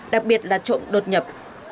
đặc biệt là trộm đột nhập